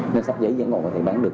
nên sách giấy vẫn còn có thể bán được